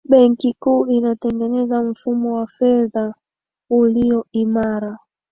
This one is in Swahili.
benki kuu inatengeneza mfumo wa fedha uliyo imara